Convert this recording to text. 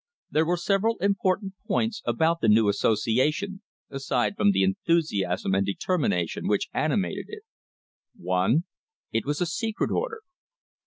There were sev eral important points about the new association, aside from the enthusiasm and determination which animated it: (1) It was a secret order.